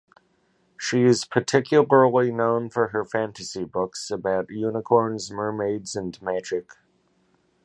She is particularly known for her fantasy books about unicorns, mermaids and magic.